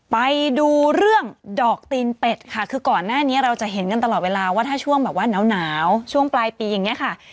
ไปดูเรื่องดอกตีนเป็ดค่ะคือก่อนหน้านี้เราจะเห็นกันตลอดเวลาว่าถ้าช่วงแบบว่าหนาวช่วงปลายปีอย่างนี้ค่ะ